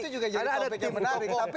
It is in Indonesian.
itu juga jadi alpek yang menarik